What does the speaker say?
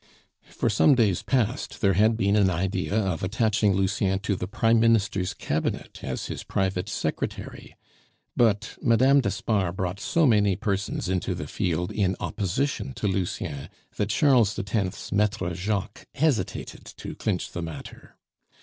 For some days past there had been an idea of attaching Lucien to the prime minister's cabinet as his private secretary; but Madame d'Espard brought so many persons into the field in opposition to Lucien, that Charles X.'s Maitre Jacques hesitated to clinch the matter.